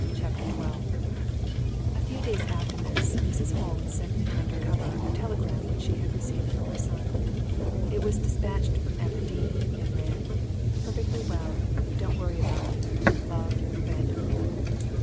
CHAPTER XII A few days after this, Mrs. Holmes sent me under cover a telegram which she had received from her son. It was dispatched from Aberdeen and ran: "Perfectly well. Don't worry about me. Love. Randall."